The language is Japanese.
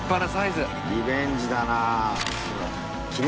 リベンジだな。